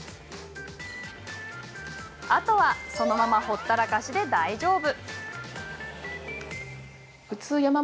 あとはそのままほったらかしで大丈夫。